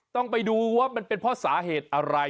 ต้องไปดูว่ามันเป็นเพราะสาเหตุอะไร